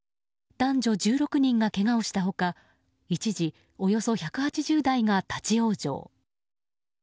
男女１６人がけがをした他一時、およそ１８０台が立ち往生。